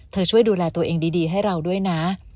ช่วยดูแลตัวเองดีให้เราด้วยนะ